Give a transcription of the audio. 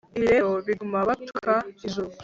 Ibi rero bigatuma batuka ijuru